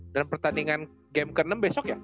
dan pertandingan game ke enam besok ya